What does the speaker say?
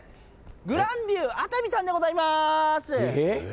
グランビュー熱海さんでございます。